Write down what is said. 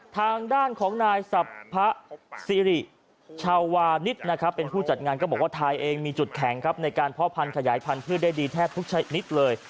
ทางด้านของนายสรรพสิริชาวานิดนะครับเป็นผู้จัดงานก็บอกว่าไทยเองมีจุดแข็งครับในการพ่อพันธยายพันธุ์ได้ดีแทบทุกชนิดเลย